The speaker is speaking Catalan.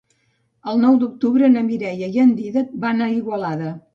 El nou d'octubre na Mireia i en Dídac van a Igualada.